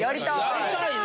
やりたいね。